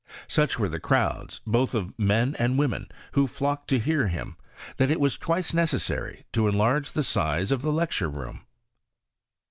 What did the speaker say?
Such were the crowds, both of men and women, who flocked to hear him, that it was twice necessary to enlarge the size of the lecture room.